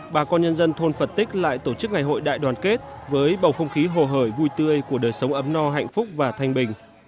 bà con nhân dân thôn phật tích lại tổ chức ngày hội đại đoàn kết với bầu không khí hồ hởi vui tươi của đời sống ấm no hạnh phúc và thanh bình